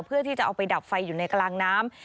เพื่อที่จะเอาไปดับไฟอยู่ในกลางน้ำ